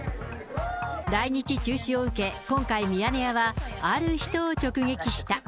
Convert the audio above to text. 来日中止を受け、今回ミヤネ屋は、ある人を直撃した。